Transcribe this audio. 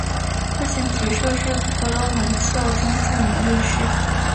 父亲提舍是婆罗门教中著名论师。